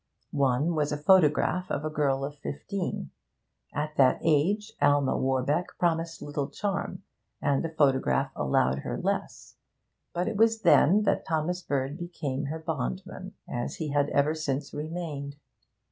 One was a photograph of a girl of fifteen. At that age Alma Warbeck promised little charm, and the photograph allowed her less; but it was then that Thomas Bird became her bondman, as he had ever since remained.